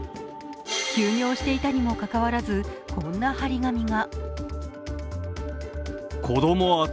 休業していたにもかかわらずこんな貼り紙が。